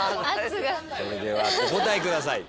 それではお答えください。